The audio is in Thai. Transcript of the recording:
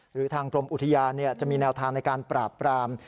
หรือทางกรมอุทยานจะมีแนวทางในการปราบปราม